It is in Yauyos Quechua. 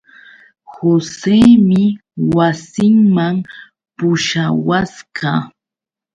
Joseemi wasinman pushawasqa.